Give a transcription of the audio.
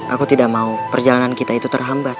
aku tidak mau perjalanan kita itu terhambat